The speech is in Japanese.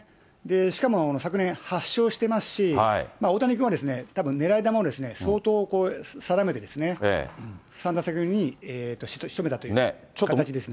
しかも昨年、８勝していますし、大谷君はたぶん狙い球を相当定めてですね、３打席目にしとめたという形ですね。